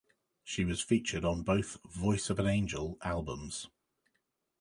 She was featured on both "Voice of an Angel" albums.